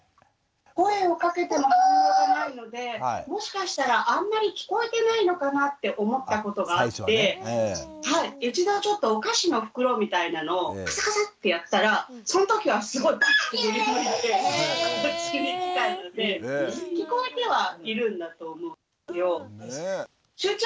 声をかけても反応がないのでもしかしたらあんまり聞こえてないのかなって思ったことがあって一度ちょっとお菓子の袋みたいなのをカサカサッてやったらその時はすごいパッて振り向いてこっちに来たので聞こえてはいるんだと思うんですよ。